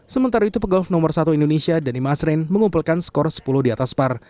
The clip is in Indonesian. sementara itu pegolf nomor satu indonesia dhani masrin mengumpulkan skor sepuluh di atas par